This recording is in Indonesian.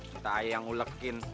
entah aja yang ulekin